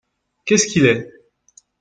Qu'est-ce qu'il est ?